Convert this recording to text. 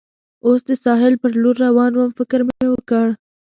اوس د ساحل پر لور روان ووم، فکر مې وکړ.